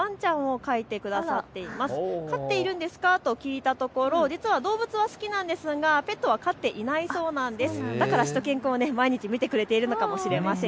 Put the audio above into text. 飼っているんですかと聞いたところ、動物が好きなんですがペットは飼っていないそうなんです。